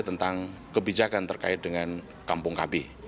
tentang kebijakan terkait dengan kampung kb